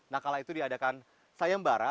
nah kala itu diadakan sayembara